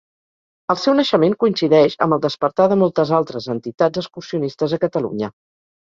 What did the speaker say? El seu naixement coincideix amb el despertar de moltes altres entitats excursionistes a Catalunya.